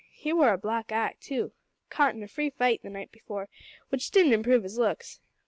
He wore a black eye, too, caught in a free fight the night before, which didn't improve his looks.